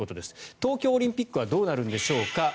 東京オリンピックはどうなるんでしょうか。